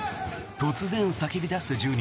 突然叫び出す住人。